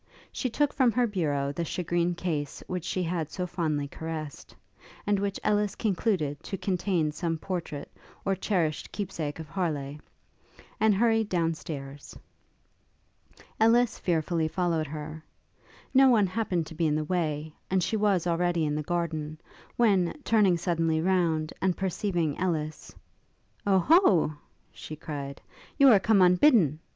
She took from her bureau the shagreen case which she had so fondly caressed, and which Ellis concluded to contain some portrait, or cherished keep sake of Harleigh; and hurried down stairs. Ellis fearfully followed her. No one happened to be in the way, and she was already in the garden, when, turning suddenly round, and perceiving Ellis, 'Oh ho!' she cried, 'you come unbidden?